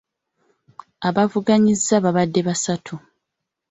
Abavuganyizza babadde basatu .